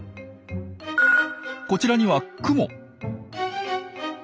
こちらにはクモ。